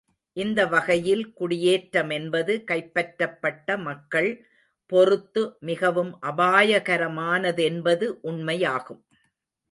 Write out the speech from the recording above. இந்த வகையில் குடியேற்றமென்பது கைப்பற்றப்பட்ட மக்கள் பொறுத்து மிகவும் அபாயகரமானதென்பது உண்மையாகும்.